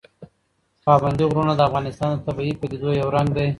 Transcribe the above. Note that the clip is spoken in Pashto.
پابندي غرونه د افغانستان د طبیعي پدیدو یو رنګ دی.